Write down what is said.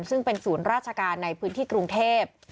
ซึ่งเป็นศูนย์ราชการในพื้นที่กรุงเทพ